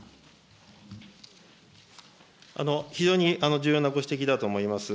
非常に重要なご指摘だと思います。